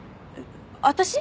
私？